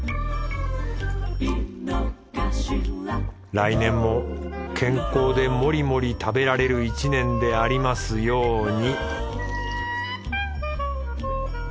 来年も健康でモリモリ食べられる一年でありますように